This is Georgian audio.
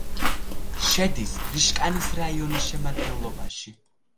შედის რიშკანის რაიონის შემადგენლობაში.